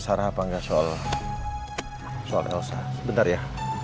apakah soal soal elsa benar ya